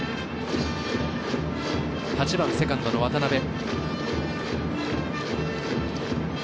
８番セカンドの渡辺。